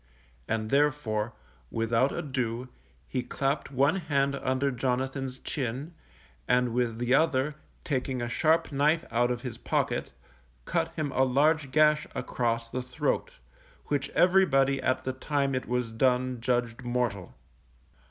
And therefore, without ado, he clapped one hand under Jonathan's chin, and with the other, taking a sharp knife out of his pocket, cut him a large gash across the throat, which everybody at the time it was done judged mortal.